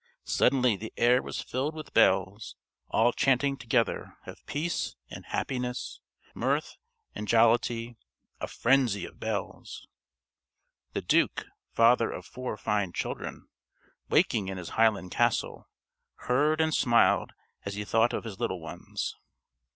Suddenly the air was filled with bells, all chanting together of peace and happiness, mirth and jollity a frenzy of bells. The Duke, father of four fine children, waking in his Highland castle, heard and smiled as he thought of his little ones....